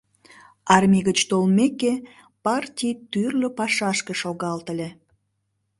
Армий гыч толмеке, партий тӱрлӧ пашашке шогалтыле.